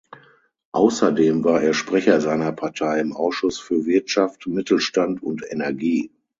Außerdem war er Sprecher seiner Partei im Ausschuss für Wirtschaft, Mittelstand und Energie.